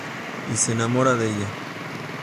Y se enamora de ella.